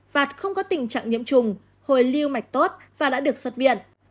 vạt không có tình trạng nhiễm trùng hồi lưu mạch tốt và đã được xuất biện